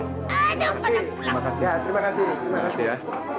terima kasih ya terima kasih ya